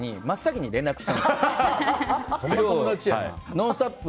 「ノンストップ！」